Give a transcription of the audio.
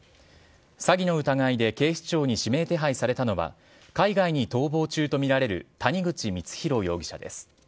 詐欺の疑いで警視庁に指名手配されたのは、海外に逃亡中と見られる谷口光弘容疑者です。